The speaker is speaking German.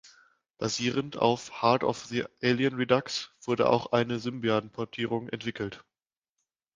Basierend auf "Heart of The Alien Redux" wurde auch eine Symbian-Portierung entwickelt.